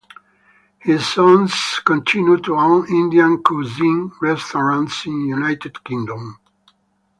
His sons continue to own Indian cuisine restaurants in the United Kingdom.